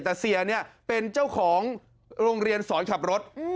แต่เสียเนี่ยเป็นเจ้าของโรงเรียนสอนขับรถ